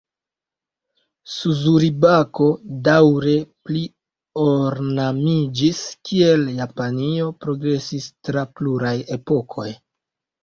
Suzuri-bako daŭre pli-ornamiĝis, kiel Japanio progresis tra pluraj epokoj.